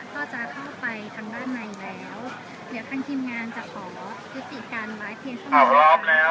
ก็จะเข้าไปทางด้านในแล้วเดี๋ยวทางทีมงานจะขอยุติการไม้เพียงชั่วโมงแล้ว